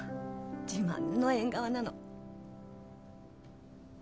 自慢の縁側なの。